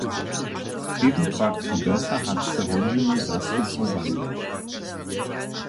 Trěbne pak su dosahace hodźiny zastupowanja.